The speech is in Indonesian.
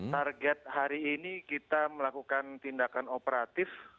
target hari ini kita melakukan tindakan operatif